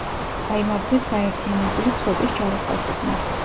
გაიმარჯვეს გაერთიანებული ფლოტის ჯარისკაცებმა.